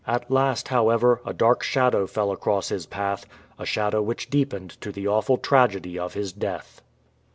At last, however, a dark shadow fell across his path, a shadow which deepened to the awful tragedy of his death.